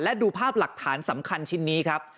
และดูภาพหลักฐานสำคัญชิ้นนี้ครับ